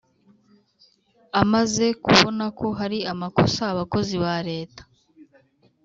Amaze kubona ko hari amakosa abakozi ba Leta